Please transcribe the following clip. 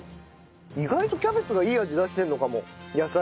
意外とキャベツがいい味出してるのかも野菜が。